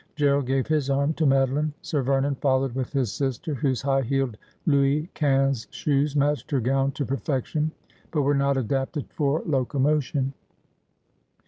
Gerald gave his arm to Madeline ; Sir Vernon followed with his sister, whose high heeled Louis Quinze shoes matched her gown to perfection, but were not adapted for locomotion.